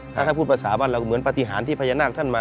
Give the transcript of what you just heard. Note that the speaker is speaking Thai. ถ้าพูดภาษาบ้านเราเหมือนปฏิหารที่พญานาคท่านมา